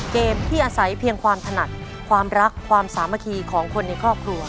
เกมที่อาศัยเพียงความถนัดความรักความสามัคคีของคนในครอบครัว